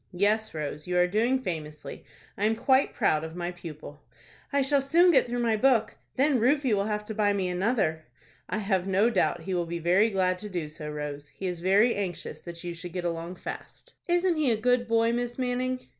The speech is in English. "Yes, Rose, you are doing famously; I am quite proud of my pupil." "I shall soon get through my book. Then Rufie will have to buy me another." "I have no doubt he will be very glad to do so, Rose. He is very anxious that you should get along fast." "Isn't he a good boy, Miss Manning?"